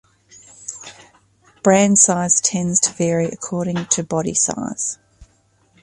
Brain size tends to vary according to body size.